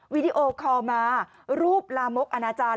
วิดีโอคอลมารูปลามกอนาจารย์